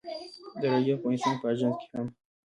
د راډیو افغانستان په اژانس کې هم.